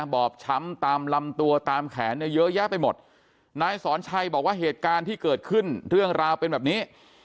บอบช้ำตามลำตัวตามแขนเนี่ยเยอะแยะไปหมดนายสอนชัยบอกว่าเหตุการณ์ที่เกิดขึ้นเรื่องราวเป็นแบบนี้